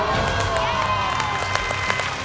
イエーイ！